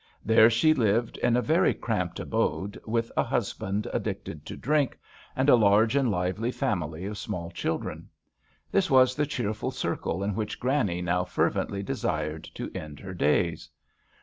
There she lived in a very cramped abode, with a husband addicted to drink, and a large and lively family of small children. This was the cheerful circle in which Granny now fer vently desired to end her days.